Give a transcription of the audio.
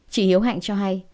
chị hiếu hạnh cho hay